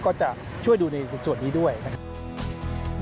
ก็จะช่วยดูในส่วนนี้ด้วยนะครับ